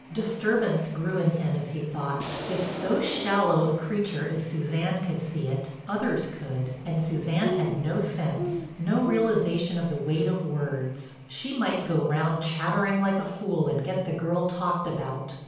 Disturbance grew in him as he thought:—if so shallow a creature as Suzanne could see it, others could. And Suzanne had no sense, no realization of the weight of words. She might go round chattering like a fool and get the girl talked about.